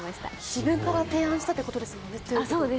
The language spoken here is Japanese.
自分から提案したということですよね。